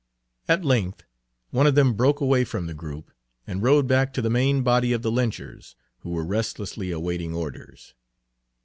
At length one of them broke away from the group, and rode back to the main body of the lynchers, who were restlessly awaiting orders.